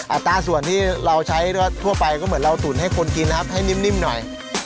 ตราส่วนที่เราใช้ทั่วไปก็เหมือนเราตุ๋นให้คนกินนะครับให้นิ่มหน่อย